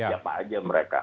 siapa aja mereka